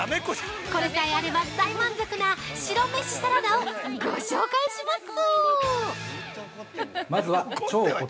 これさえあれば大満足な白飯サラダをご紹介します。